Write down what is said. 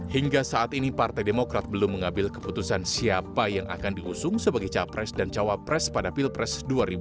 hingga saat ini partai demokrat belum mengambil keputusan siapa yang akan diusung sebagai capres dan cawapres pada pilpres dua ribu dua puluh